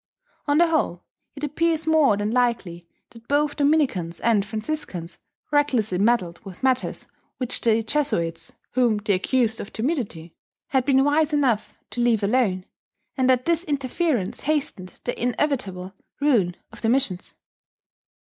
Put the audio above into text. On the whole, it appears more than likely that both Dominicans and Franciscans recklessly meddled with matters which the Jesuits (whom they accused of timidity) had been wise enough to leave alone, and that this interference hastened the inevitable ruin of the missions.